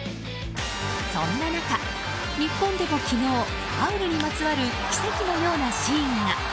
そんな中、日本でも昨日ファウルにまつわる奇跡のようなシーンが。